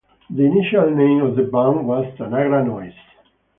The initial name of the band was Tanagra Noise.